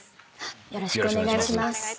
よろしくお願いします。